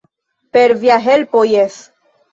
Per via helpo jes!